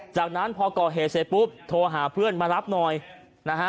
จากนั้นพอก่อเหตุเสร็จปุ๊บโทรหาเพื่อนมารับหน่อยนะฮะ